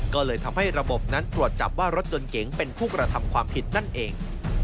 ก็เลยทำให้ระบบนั้นตรวจจับว่ารถยนต์เก๋งเป็นผู้กระทำความผิดนั่นเอง